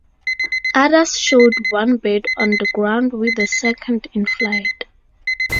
Others showed one bird on the ground with the second in flight.